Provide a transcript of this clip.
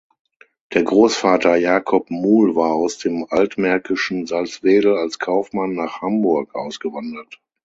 Der Großvater Jacob Muhl war aus dem altmärkischen Salzwedel als Kaufmann nach Hamburg ausgewandert.